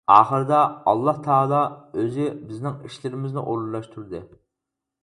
ئاخىردا، ئاللاتائالا ئۆزى بىزنىڭ ئىشلىرىمىزنى ئورۇنلاشتۇردى.